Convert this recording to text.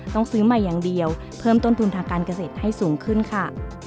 ต้องซื้อใหม่อย่างเดียวเพิ่มต้นทุนทางการเกษตรให้สูงขึ้นค่ะ